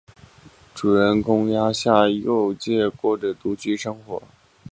主人公鸭下佑介过着独居生活。